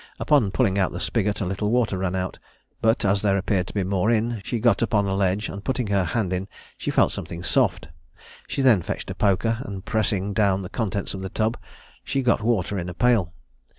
Upon pulling out the spigot a little water ran out; but, as there appeared to be more in, she got upon a ledge, and putting her hand in, she felt something soft. She then fetched a poker, and pressing down the contents of the tub, she got water in a pail.